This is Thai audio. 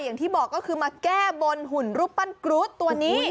อย่างที่บอกก็คือมาแก้บนหุ่นรูปปั้นกรูดตัวนี้